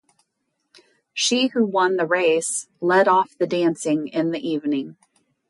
She who won the race led off the dancing in the evening.